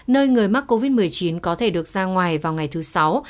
nơi người mắc covid một mươi chín có thể được ra ngoài vào ngày thứ sáu